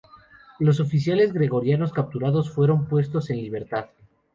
Los oficiales georgianos capturados fueron puestos en libertad.